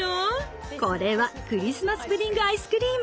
これはクリスマスプディング・アイスクリーム。